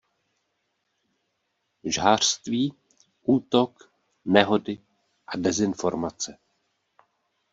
Žhářství, Útok, Nehody a Dezinformace.